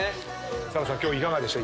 紗来さん今日いかがでした？